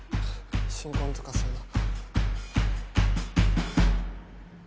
新婚とかそんな。